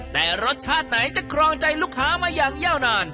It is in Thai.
แต่รสชาติไหนจะครองใจลูกค้ามาอย่างยาวนาน